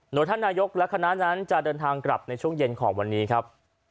โดยท่านนายกและคณะนั้นจะเดินทางกลับในช่วงเย็นของวันนี้ครับ